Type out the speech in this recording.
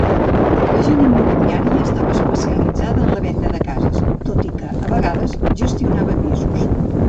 L'agent immobiliària estava especialitzada en la venda de cases, tot i que a vegades gestionava pisos.